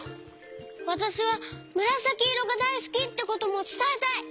「わたしはむらさきいろがだいすき」ってこともつたえたい！